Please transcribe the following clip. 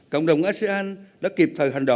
cộng đồng asean đã kịp thời hành động